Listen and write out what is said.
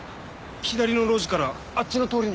左の路地からあっちの通りに。